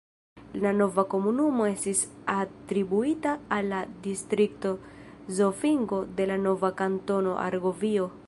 La nova komunumo estis atribuita al la distrikto Zofingo de la nova Kantono Argovio.